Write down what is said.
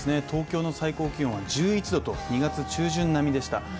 東京の最高気温は１１度と２月中旬並みでした。